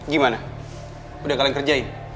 gimana udah kalian kerjain